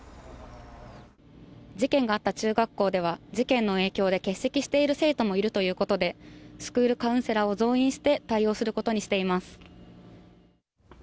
事件があった中学校では、事件の影響で欠席している生徒もいるということで、スクールカウンセラーを増員して対応することにしています。